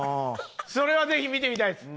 それはぜひ見てみたいです。